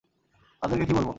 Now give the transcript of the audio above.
তাদেরকে কী বলবো?